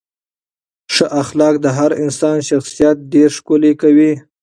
ښه اخلاق د هر انسان شخصیت ډېر ښکلی کوي.